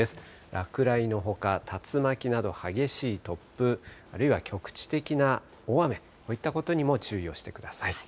落雷のほか、竜巻など激しい突風、あるいは局地的な大雨、こういったことにも注意をしてください。